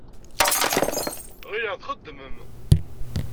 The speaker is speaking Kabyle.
Ɣileɣ txeddmem.